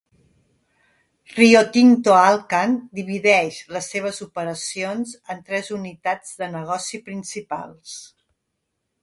Rio Tinto Alcan divideix les seves operacions en tres unitats de negoci principals.